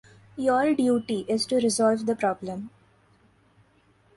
Your duty is to resolve the problem.